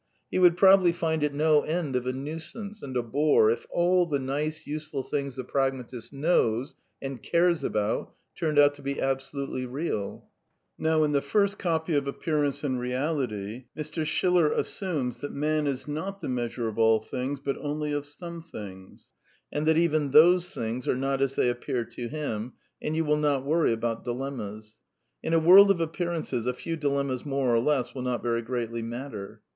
He would probably find it no end of a nuisance and a bore if all the nice^ useful things the pragmatist knows and cares about turned out to be " absolutely real." Now, in the first copy of Appearance and Reality pragmatic. Assume, as he does, that Man is not the me as ure of all thin ^^ but only of some th ings, and that even tfiose things are not as they appear toTdm, and you will not worry about dilemmas. In a world of appearances a few dilemmas more or less will not very greatly matter.